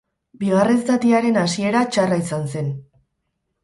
Bigarren zatiaren hasiera txarra izan zen.